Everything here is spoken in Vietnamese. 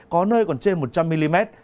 có nơi còn trên một trăm linh mm